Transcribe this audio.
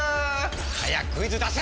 早くクイズ出せ‼